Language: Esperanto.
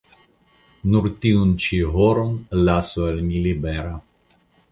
Nur tiun ĉi horon lasu al mi libera.